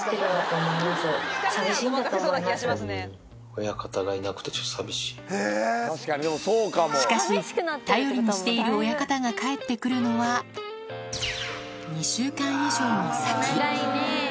親方がいなくてちょっと寂ししかし、頼りにしている親方が帰ってくるのは、２週間以上も先。